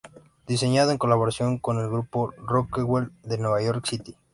Diseñado en colaboración con el grupo Rockwell de New York City.